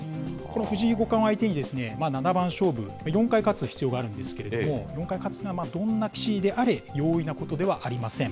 藤井五冠を相手に七番勝負、４回勝つ必要があるんですけれども、４回勝つにはどんな棋士であれ容易なことではありません。